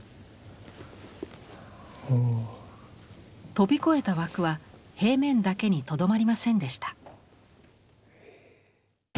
飛び越えた枠は平面だけにとどまりませんでした。